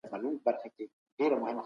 ښه اړیکې باور جوړوي.